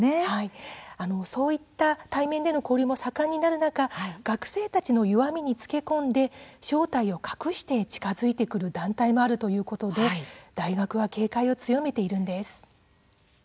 対面での交流も盛んになる中学生たちの弱みにつけ込んで正体を隠して近づいてくる団体もあるということで大学は警戒を強めています。